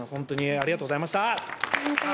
ありがとうございます。